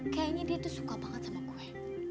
kayaknya dia tuh suka banget sama kue